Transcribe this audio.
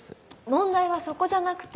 問題はそこじゃなくて。